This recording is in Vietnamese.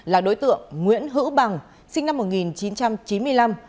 là đối tượng nguyễn hữu bằng sinh năm một nghìn chín trăm chín mươi năm